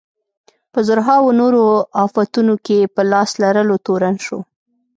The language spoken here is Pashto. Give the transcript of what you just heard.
په زرهاوو نورو افتونو کې په لاس لرلو تورن شو.